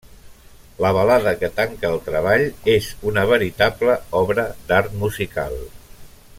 La balada que tanca el treball és una veritable obra d'art musical.